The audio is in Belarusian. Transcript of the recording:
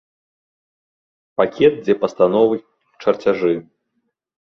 Пакет, дзе пастановы, чарцяжы.